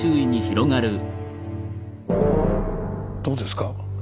どうですか？